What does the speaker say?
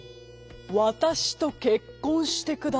「わたしとけっこんしてください」。